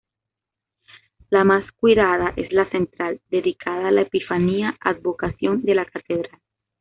La más cuidada es la central, dedicada a la Epifanía, advocación de la catedral.